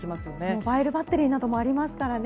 モバイルバッテリーなどもありますからね。